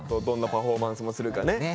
どんなパフォーマンスもするかね